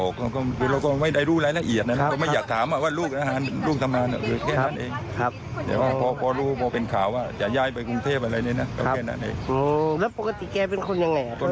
ครับแล้วปกติแกเป็นคนอย่างไรครับ